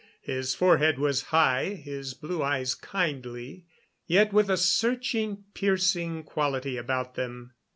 His forehead was high, his blue eyes kindly, yet with a searching, piercing quality about them.